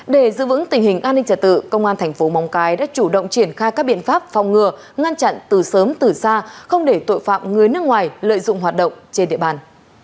để giữ vững tình hình an ninh trả tự công an thành phố móng cái đã chủ động triển khai các biện pháp phòng ngừa ngăn chặn từ sớm từ xa không để tội phạm người nước ngoài lợi dụng hoạt động trên địa bàn